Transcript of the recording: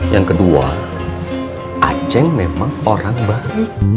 yang kedua aceh memang orang baik